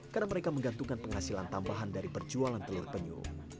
karena mereka menggantungkan penghasilan tambahan dari perjualan telur penyu